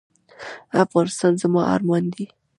افغانستان زما ارمان دی؟